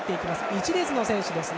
１列の選手ですね。